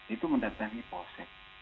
itu mendatangi polsek